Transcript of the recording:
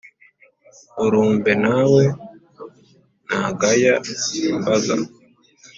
urumve na we ntagaya imbaga